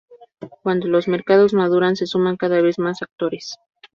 Cuando los mercados maduran, se suman cada vez más actores.